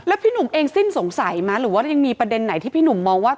พี่หนุ่มเองสิ้นสงสัยไหมหรือว่ายังมีประเด็นไหนที่พี่หนุ่มมองว่า